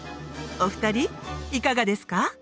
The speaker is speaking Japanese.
お二人いかがですか？